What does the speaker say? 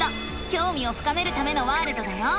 きょうみを深めるためのワールドだよ！